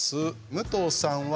武藤さんは？